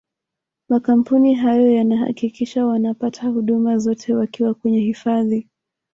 makampuni hayo yanahakikisha wanapata huduma zote wakiwa kwenye hifadhi